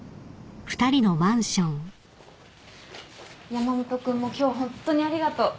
山本君も今日ホントにありがとう。